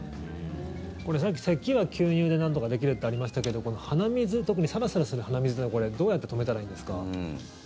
これさっき、せきは吸入でなんとかできるとありましたけど鼻水、特にサラサラする鼻水はどうやって止めたらいいんですか？